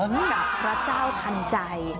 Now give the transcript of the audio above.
ดูกับพระเจ้าทันใจ